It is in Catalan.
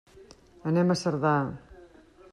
Anem a Cerdà.